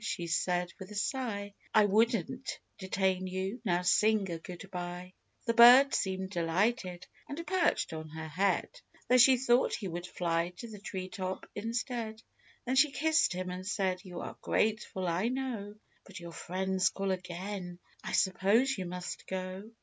she said, with a sigh, "I wouldn't detain you ; now sing a good bye." The bird seemed delighted, and perched on her head, Though she thought he would fly to the tree top instead. Then she kissed him, and said, " You are grateful, I know ; But your friends call again ; I suppose you must go."